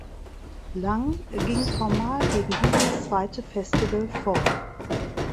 Lang ging formal gegen dieses zweite Festival vor.